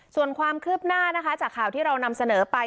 ส่วนความคืบหน้านะคะจากข่าวที่เรานำเสนอไป